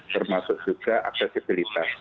termasuk juga aksesibilitas